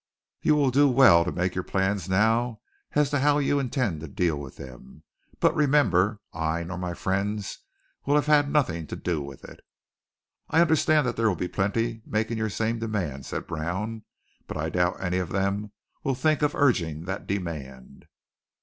You would do well to make your plans now as to how you intend to deal with them. But remember, I, nor my friends, will have had nothing to do with it." "I understand that there will be plenty making your same demand," said Brown, "but I doubt any of them will think of urging that demand."